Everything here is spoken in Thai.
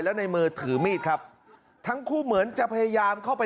แล้วในมือถือมีดครับทั้งคู่เหมือนจะพยายามเข้าไป